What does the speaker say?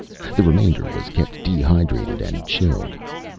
The remainder was kept dehydrated and chilled.